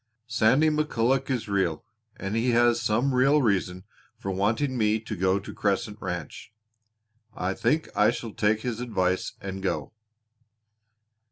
"Sandy McCulloch is real, and he has some real reason for wanting me to go to Crescent Ranch. I think I shall take his advice and go."